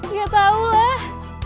gak tau lah